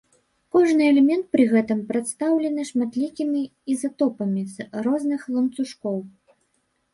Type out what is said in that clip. Кожны элемент пры гэтым прадстаўлены шматлікімі ізатопамі з розных ланцужкоў.